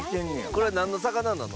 これはなんの魚なの？